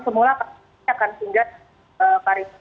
semula kami akan tinggal